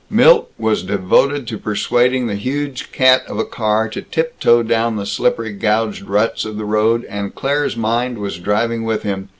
Milt was devoted to persuading the huge cat of a car to tiptoe down the slippery gouged ruts of the road, and Claire's mind was driving with him.